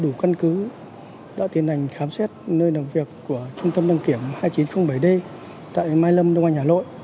đủ căn cứ đã tiến hành khám xét nơi làm việc của trung tâm đăng kiểm hai nghìn chín trăm linh bảy d tại mai lâm đông anh hà nội